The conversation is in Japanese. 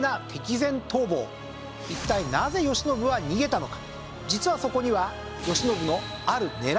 一体なぜ慶喜は逃げたのか？